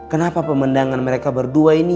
kenapa pemandangan mereka berdua ini